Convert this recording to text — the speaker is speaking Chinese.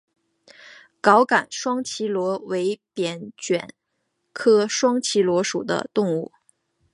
藁杆双脐螺为扁蜷科双脐螺属的动物。